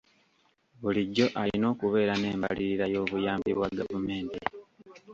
Bulijjo olina okubeera n'embalirira y'obuyambi bwa gavumenti.